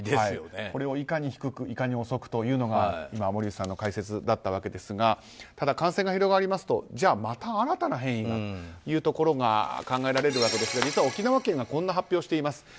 これを、いかに低くいかに遅くというのが森内さんの解説でしたがただ、感染が広がりますとじゃあ、また新たな変異がということが考えられるわけですが実は沖縄県がこんな発表をしています。